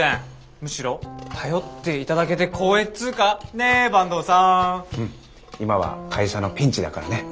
むしろ頼って頂けて光栄っつうかね坂東さん。うん今は会社のピンチだからね。